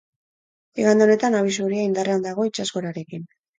Igande honetan abisu horia indarrean dago itsasgorarekin.